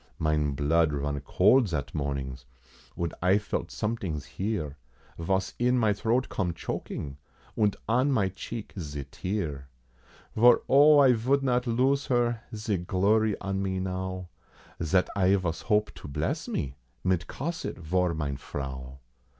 Mine blood run cold zat mornings, und I felt somedings here, Vos in my throat come choking, und on my cheek ze tear, Vor O I vould not lose her, ze glory on me now, Zat I vos hope to bless me, mit Cosette vor mine Frau.